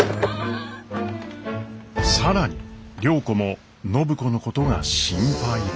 更に良子も暢子のことが心配で。